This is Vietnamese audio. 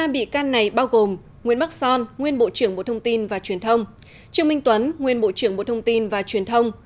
ba bị can này bao gồm nguyễn bắc son nguyên bộ trưởng bộ thông tin và truyền thông trương minh tuấn nguyên bộ trưởng bộ thông tin và truyền thông